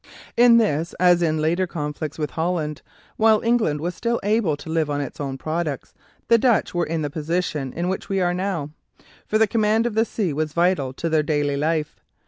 In this, as in the later conflicts with Holland, while England was still able to live on its own products, the Dutch were in the position in which we are now, for the command of the sea was vital to their daily life.